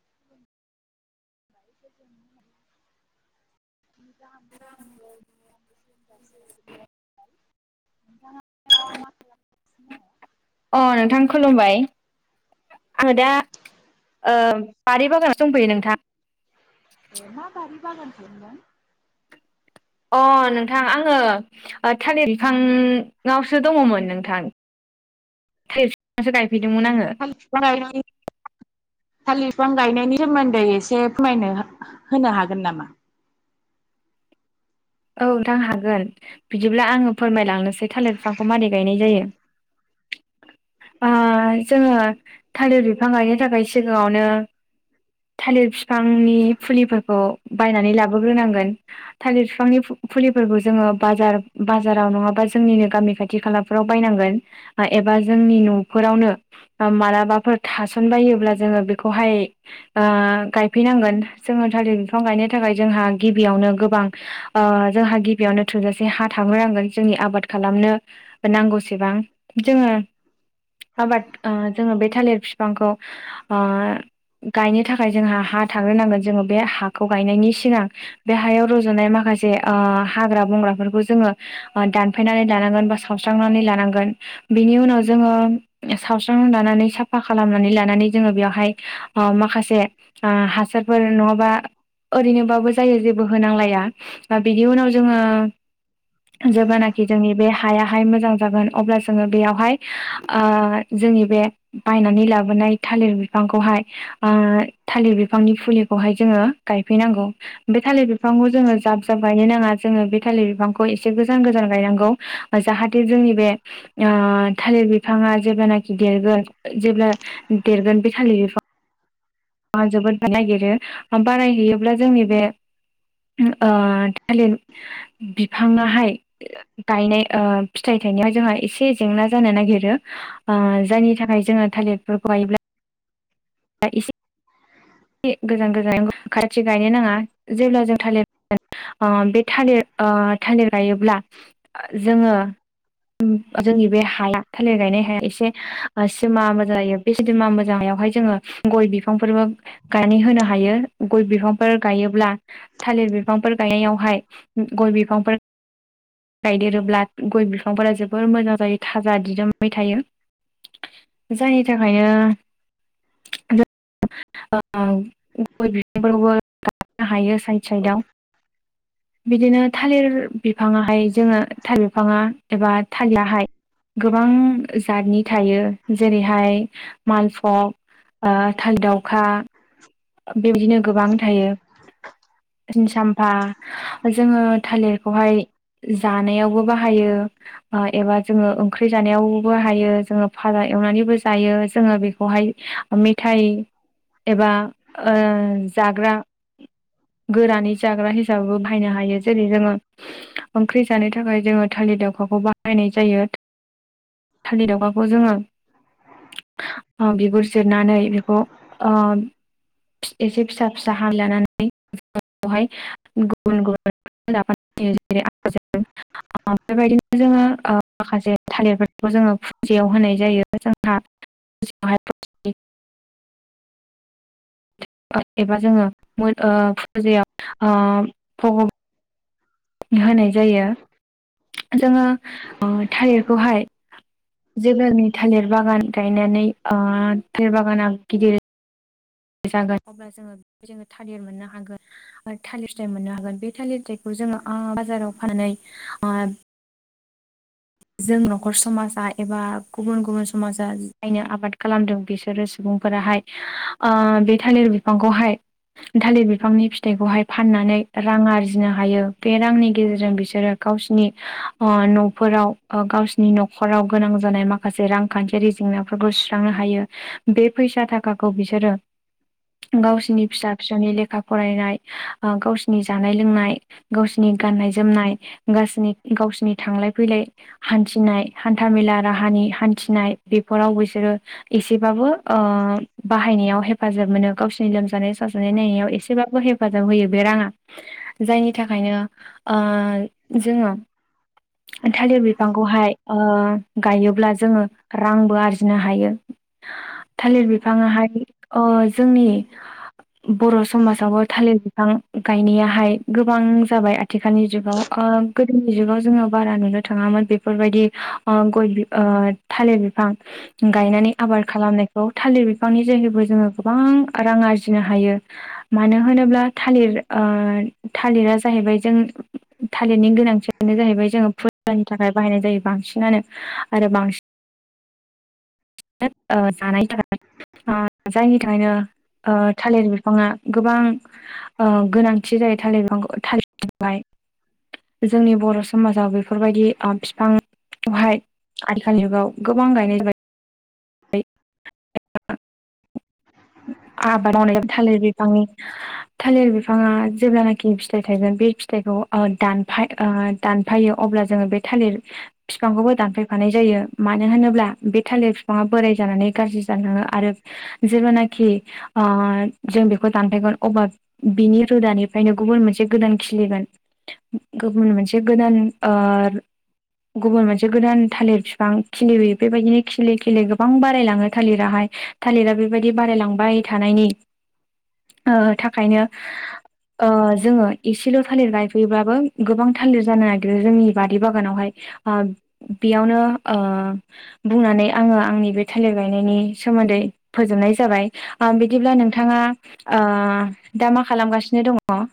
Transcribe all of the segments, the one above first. [inaudible] [unintelligible] मा मा खालाम [inaudible] अ नोंथां खुलुमबाय आङो दा ओ बारि बागानावसो दंफैयो नोंथां ए मा बारि बागान खालामदों अ नोंथां आङो थालिर बिफांआवसो दङमोन नोंथां [inaudible] [unintelligible] [unintelligible] थालिर बिफां गायनायनि सोमोन्दै एसे फोरमायनो होनो हागोन नामा औ नोंथां हागोन बिदिब्ला आङो फोरमायलांनोसै थालिर बिफांखौ मारै गायनाय जायो। [inaudible] ओ जोंङो थालिर बिफां गायनो थाखाय सिगाङावनो थालिर बिफांनि फुलिफोरखौ बायनानै लाबोग्रोनांगोन थालिर बिफांनि फुलि फोरखौ जोंङो बाजार-बाजाराव नंङाब्ला जोंनिनो गामि खाथि खालाफोराव बायनांगोन। एबा जोंनि न'फोरावनो मालाबाफोर थासनबायोब्ला जोंङो बेखौहाय ओ गायफैनांगोन जोंङो थालिर बिफां गायनो थाखाय जोंहा गिबियावनो गोबां ओ जोंहा गिबियावनो थोजासे हा थांग्रो नांगोन जोंनि आबाद खालामनो जोंङो आबाद ओ जोंङो बे थालिर बिफांखौ ओ गायनो थाखाय जोंहा हा थाग्रोनांगोन जोंङो बे हाखौ गायनायनि सिगां बे हायाव रज'नाय माखा से ओ हाग्रा बंग्राफोरखौ जोंङो दानफैनानै लानांगोन बा सावस्रांनानै लानांगोन। बिनि उनाव जोंङो सावस्रां लानानै साफा खालामनानै लानानै जोंङो बेवहाय अम माखासे ओ हासारफोर नङाबा ओरैनोबाबो जायो जेबो होनांलाया। दा बिनि उनाव जोङो। जेब्लानाखि जोंनि बे हायाहाय मोजां जागोन अब्ला जोङो बेयावहाय ओ। जोंनि बे बायनानै लाबोनाय थालिर बिफांखौहाय। ओ थालिर बिफांनि फुलिखौहाय जोङो गायफैनांगौ। बे थालिर बिफांखौ जोङो जाब-जाब गायनो नाङा जोङो बे थालिर बिफांखौ एसे गोजान गोजान गायनांगौ जाहाथे जोंनि बे ओ। ओ थालिर बिफाङा जेब्लानाखि देरगोन जेब्ला देरगोन बे थालिर बिफाङ- आ जोबोद नागिरो बारायहैयोब्ला जोंनि बे। ओ थालिर बिफाङाहाय गायनाय ओ फिथाइ। गायनायाव जोंहा एसे जेंना जानो नागिरो ओ जायनि थाखाय जोङो थालिरफोरखौ गायोब्ला ए- से गोजान गोजान खाथि गायनो नाङा जेब्ला जों थालिर ओ बे। थालिर ओ थालिर गायोब्ला जोङो। जोंनि बे हाया थालिर गायनाय हाया एसे सिमा मोजां जायो बे [unintelligible] मोजां हाया। बावहाय जोङो गय बिफांफोरबो। गानानै होनो हायो गय बिफांफोर गायोब्ला थालिर बिफांफोर गायनायावहाय गय। बिफांफोर । गायदेरोब्ला गय बिफांफोरा जोबोर मोजां जायो थाजा दिदोमै थायो। जायनि थाखायनो [unintelligible] ओ गय बिफांफोरखौबो गायनो हायो साइड साइदआव। बिदिनो थालिर बिफाङाहाय जोङो थालिर बिफाङा एबा थालिरआहाय। गोबां जातनि थायो जेरैहाय मालभक। ओ थालिर दाावखा। बेबायदिनो गोबां थायो। सिनि साम्फा जोङो थालिरखौहाय। जानायावबो बाहायो एबा जोङो ओंख्रि जानायावबो बाहायो जोङो फाराय- एवनानैबो जायो जोङो बेखौहाय मेथाइ एबा। ओ जाग्रा। गोरानै जाग्रा हिसाबैबो बाहायनो हायो जेरै जोङो ओंख्रि जानो थाखाय जोङो था- थालिर दावखाखौ बाहायनाय जायो थालिर दावखाखौ जोङो। ओ बिगुर जिरनानै बेखौ ओ। फि एसे फिसा फिसा हाना लानानै। हाय गुबुन गुबुन [unintelligible] बेबायदिनो जोङो ओ माखासे थालिरफोरखौ जोङो फुजायाव होनाय जायो। जोंहा [unintelligible] [unintelligible] एबा जोङो ओ फुजायाव ओ भगब- होनाय जायो । जोङो ओ थालिरखौहाय। जेल्बानि थालिर बागान गायनानै ओ थालिर बागाना गिदिर जागोन अब्ला जोङो बे जोङो थालिर मोननो हागोन आरो थालिर फिथाय मोननो हागोन । बे थालिर फिथायखौ जोङो आ बाजाराव फानै ओ जों न'खर समाजा एबा गुबुन गुबुन समाजा जायनो आबाद खालामदों बिसोरो सुबुंफोराहाय ओ थालिर बिफांखौहाय थालिर बिफांनि फिथाइखौहाय फाननानै रां आरजिनो हायो बे रांनि गेजेरजों बिसोरो गावसिनि न'फोराव गावसिनि न'खराव गोनां जानाय माखासे रांखान्थियारि जेंनाफोरखौ सुस्रांनो हायो बेफो फैसा थाखाखौ बिसोरो गावसिनि फिसा-फिसौनि लेखा फरायनाय गावसिनि जानाय-लोंनाय गावसिनि गाननाय-जोमनाय गावसिनि गावसिनि थांलाय फैलाय हान्थिनाय हान्थामेला राहानि हान्थिनाय बेफोराव बिसोरो एसे एसेबाबो ओ बाहायनायाव हेफाजाब मोनो गावसिनि लोमजानाय साजानाय नायनायाव एसेबाबो हेफ हेफाजाब होयो बे राङा जायनि थाखायनो ओ जोङो [inaudible] लिर बिफांखौहाय ओ गायोब्ला जोङो रांबो आरजिनो हायो। थालिर बिफाङाहाय ओ जोंनि बर' समाजावबो थालिर बिफां गायनायाहाय गोबां जाबाय आथिखालनि जुगाव ओ ओ गोदोनि जुगाव जोङो बारा नुनो थाङामोन बेफोरबायदि ओ गय बि ओ थालिर बिफां गायनानै आबाद खालामनाय बेखौ थालिर बिफांनि जेहैबो जोङो गोबां रां आरजिनो हायो मानो होनोब्ला थालिर ओ थालिरा जाहैबाय जों थालिरनि गोनांथियानो जाहैबाय जों फुजानि थाखाय बाहायनाय जायो बांसिनानो आरो बांसिन नानो जानायनि थाखाय ओ जायनि थाखायनो ओ थालिर बिफाङा गोबां ओ गोनांथि जायो थालिर बिफां थालिरबिफांखौहाय जोंनि बर' समाजाव बेफोरबायदि ओ फिफां बेवहाय आथिखाल जुगाव गोबां गायनाय जाबाय। [unintelligible] आबाद मावनाय थालिर बिफांनि थालिर बिफाङा जेब्लानाखि फिथाइ थायगोन बे फिथा थाइखौ दानफाय ओ दानफायो अब्ला जोङो बे थालिर बिफांखौबो दानफायफानाय जायो। मानो होनोब्ला बे थालिर बिफाङा बोराय जानानै गाज्रि जानो आरो जेब्लानाखि जों बेखौ दानफायगोन अब्लाा बिनि रोदानिफ्रायनो गुबुन मोनसे गोदान खिलिगोन। [inaudible] गुबुन मोनसे गोदान ओ गुबुन मोनसे गोदान थालिर गोबां खिलियो बेबायदिनो खिलि खिलि गोबां बारायलाङो थालिराहाय थालिरा बेबायदि बारायलांबाय थानायनि ओ थाखायनो ओ जोङो एसेल' थालिर गायफैयोब्लाबो गोबां थालिर जानो नागिरो जोंनि बारि बागानावहाय। ओ बेयावनो ओ बुंनानै आङो आंनि बे थालिर गायनायनि सोमोन्दै सोमोन्दै फोजोबनाय जाबाय। ओ बिदिब्ला नोंथाङा ओ दा मा खालामगासिनो दङ?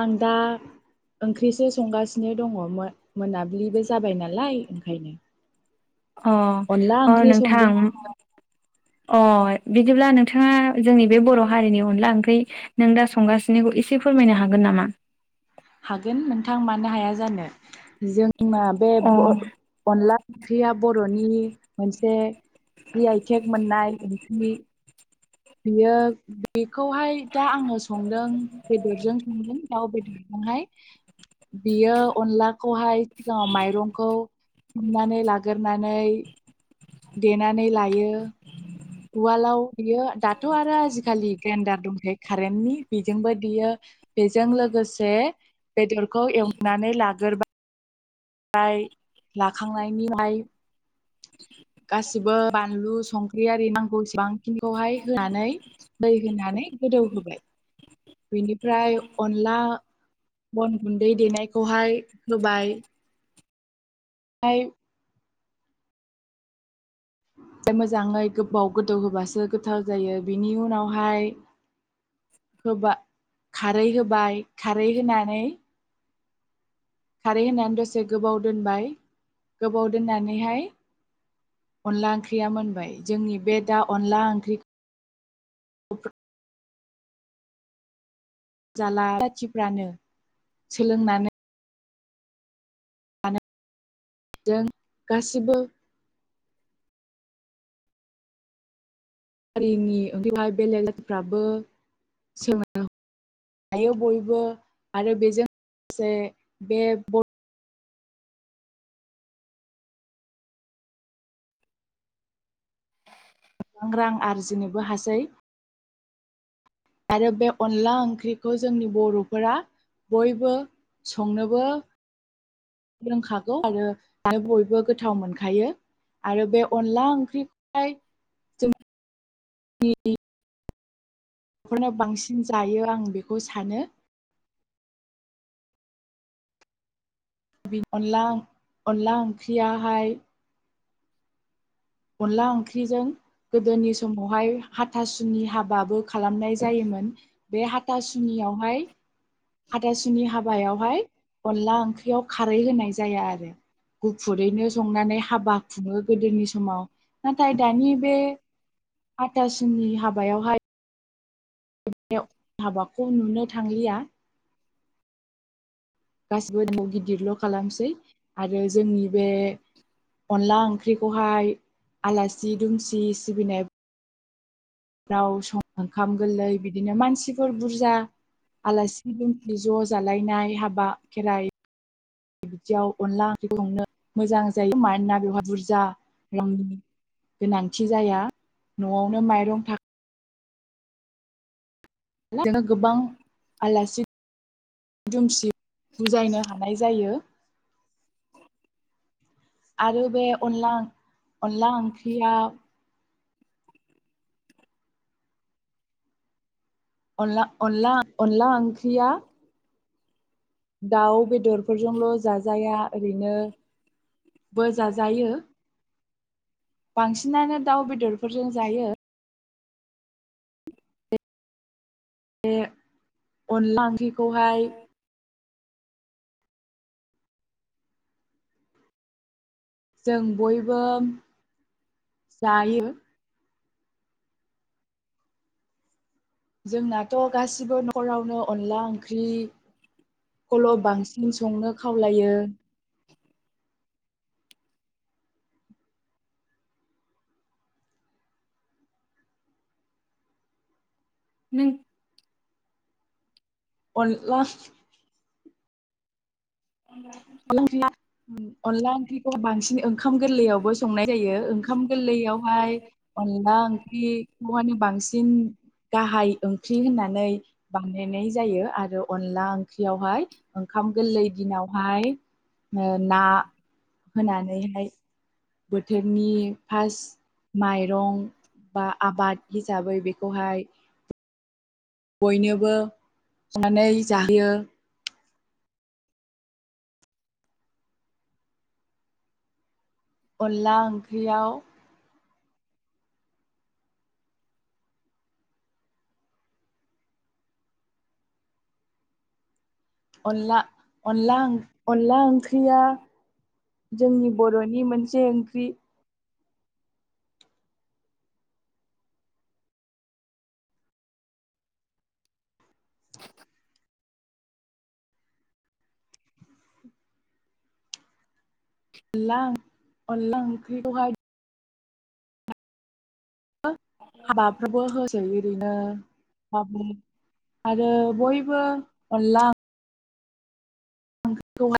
आं दा ओंख्रिसो संगासिनो दङ मोनाबिलिबो जाबाय नालाय ओंखायनो। अ' अनला अ' ओंख्रि संदों नोंथां अ' बिदिब्ला नोंथाङा जोंनि बे बर' हारिनि अनला ओंख्रि नों दा संगासिनो एसे फोरमायनो हागोन नामा? हागोन नोंथां मानो हाया जानो। जोंना बे अ अनला ओंख्रिया बर'नि मोनसे जि आइ थेग मोननाय ओंख्रि। बियो बेखौहाय दा आङो संदों बेदरजों संदों दाउ बेदर। बेवहाय बियो अनलाखौहाय सिगाङाव माइरंखौ सोमनानै लागोरना नै देना नै लायो उवालाव बियो दाथ' आरो आजिखालि ग्रेन्दार दंखायो। कारेन्टनि बेजोंबो देयो बेजों लोगोसे बेदरखौ एवनानै लागोरबाय बाय लाखांनायनिफाय गासिबो बानलु संख्रि आरि नांगौ सिबां बिखौहाय होनानै दै होनानै गोदौ होबाय। बिनिफ्राय अनला अन गुन्दै देनायखौहाय होबाइ [unintelligible] मोजाङै गोबाव गोदौ होबासो गोथाव जायो बेनि उनावहाय होबा खारै होबाय खारै होनानै खारै होनानै दसे गोबाव दोनबाय गोबाव दोननानैहाय अनला ओंख्रिया मोनबाय जोंनि बे दा अनला ओंख्रि [unintelligible] जाला जाथिफ्रानो सोलोंनानै [unintelligible] जों गासिबो हारिनि ओख्रिखौहाय बेलजातिफ्राबो सोलों दायो बयबो आरो बेजों लोगोसे बे बर गोबां रां आरजिनोबो हासै आरो बे अनला ओंख्रिखौ जोंनि बर'फोरा बयबो संनो बो रोंखागौ आरो बयबो गोथाव मोनखायो। आरो बे अनला ओंख्रिखौहाय जोंनि फोरनो बांसिन जायो आं बेखौ सानो। अनला -अनला ओंख्रियाहाय अनला ओंख्रिजों गोदोनि समावहाय हाथासुनि हाबाबो खालामनाय जायोमोन बे हाथासुनियाव हाय हाथासुनि हाबायावहाय अनला ओंख्रियाव खारै होनाय जाया आरो। गुफुरैनो संनानै हाबा खुङो गोदोनि समाव नाथाय दानि बे आथासुननि हाबायावहाय हाबाखौ नुनो थांलिया गासिबो गिदिरल' खालामसै आरो जोंनि बे अनला ओंख्रिखौहाय आलासि दुमसि सिबिनाय राव सं ओंखाम गोरलै बिदिनो मानसिफोर बुरजा आलासि दुमखि ज' जालायनाय हाबा खेराइ बिदियाव अनला ओंख्रि संनो मोजां जायो मानोना बेवहाय बुरजा मेगंनि गोनांथि जाया न'आवनो माइरं था [unintelligible] गोबां आलासि दुमसि बुजायनो हानाय जायो। आरो बे अनला -अनला ओंख्रियाव अनला- अनला -अनला ओंख्रिया दाउ बेदरफोरजोंल' जाजाया ओरैनो बो जाजायो। बांसिनानो दाउ बेदरफोरजों जायो बे अनला ओंख्रिखौहाय जों बयबो जायो। जोंनाथ' गासिबो न'खरावनो अनला ओंख्रिखौल' बांसिन संनो खावलायो। [inaudible] नों अन ला अन ओंख्रिया अनला ओंख्रिखौ बांसिन ओंखाम गोरलैयावबो संनाय जायो ओंखाम ओं गोलैयावहाय अनला ओंख्रिखौ मे बांसिन गाहाय ओंख्रि होननानै बानायनाय जायो आरो अनला ओंख्रियावहाय ओंखाम गोरलै दिनावहाय ओ ना होनानैहाय बोथोरनि फार माइरं बा आबाद हिसाबै बेखौहाय। बयनोबो संनानै जाहोयो। अनला ओंख्रियाव। अनला-अनला ओं-अनला ओंख्रि। ओंख्रिया जोंनि बर'नि मोनसे ओंख्रि। [inaudible] अनला ओं-अनला ओंख्रिखौहाय। हाबाफ्राबो होजायो ओरैनो माब। आरो बयबो अनला। [unintelligible]